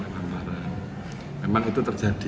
memang itu terjadi